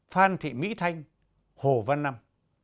phan thị mỹ thanh hồ văn năm